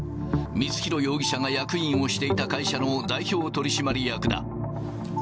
光弘容疑者が役員をしていた会社の代表取締役だ。